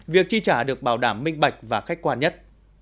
việc chi trả được bảo đảm minh bạch và khách quan nhất